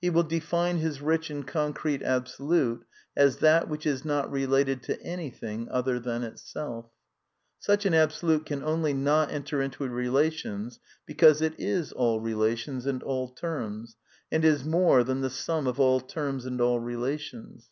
He will define his rich and concrete Absolute as that which is not related to any (S thing other than itself. Such an Absolute can only not '^ enter into relations " because it is all relations and all terms, and is more thaii\ | the sum of all terms and all relations.